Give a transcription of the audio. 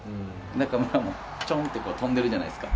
中村も、ちょんって跳んでるじゃないですか。